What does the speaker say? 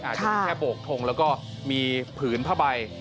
อาจจะมีแค่โบกทงแล้วก็มีผืนผ้าใบ